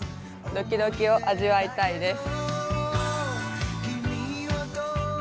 ドキドキを味わいたいです。